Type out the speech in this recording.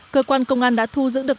cơ quan công an đã thu dựng được